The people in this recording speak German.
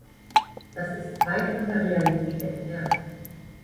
Das ist weit von der Realität entfernt.